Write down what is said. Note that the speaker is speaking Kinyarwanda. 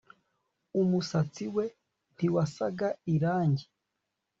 Umusatsi we ntiwasaga irangi